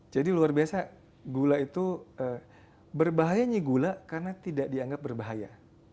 jadi luar biasa gula itu berbahayanya gula karena tidak dianggap berbahaya